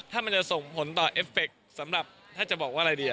ถ้ามันจะส่งผลต่อเอฟเฟคสำหรับถ้าจะบอกว่าอะไรดี